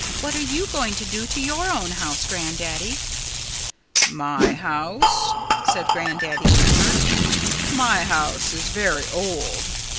What are you going to do to your own house, Grandaddy?" "My house " said Grandaddy Beaver "my house is very old.